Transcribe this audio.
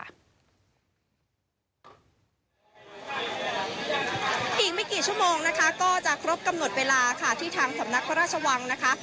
อีกไม่กี่ชั่วโมงนะคะก็จะครบกำหนดเวลาค่ะที่ทางสำนักพระราชวังนะคะ